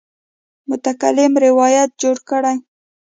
متکلم روایت جوړ کړی.